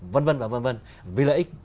vân vân và vân vân vì lợi ích